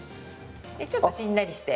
ちょっとしんなりして。